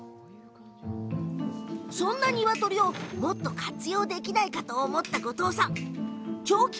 そんなニワトリをもっと活用できないかと思った後藤さん。